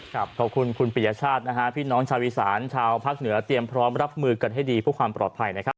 ขอบคุณคุณปิยชาตินะฮะพี่น้องชาวอีสานชาวภาคเหนือเตรียมพร้อมรับมือกันให้ดีเพื่อความปลอดภัยนะครับ